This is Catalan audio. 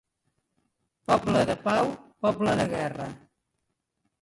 Poble de Pau, poble de guerra.